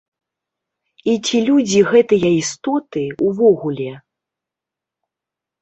І ці людзі гэтыя істоты, увогуле?